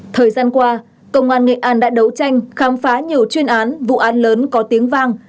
thời gian qua công an nghệ an đã đấu tranh khám phá nhiều chuyên án vụ án lớn có tiếng vang